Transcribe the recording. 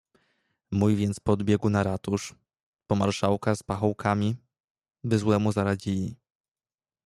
"Mój więc pobiegł na ratusz, po marszałka z pachołkami, by złemu zaradzili."